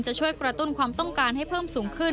จะช่วยกระตุ้นความต้องการให้เพิ่มสูงขึ้น